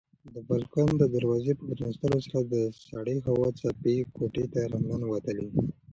د بالکن د دروازې په پرانیستلو سره د سړې هوا څپې کوټې ته راننوتلې.